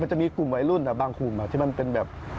จะมีกลุ่มวัยรุ่นบางกลุ่มที่มันเป็นแบบ